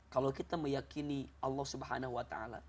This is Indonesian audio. kalau kita meyakini allah swt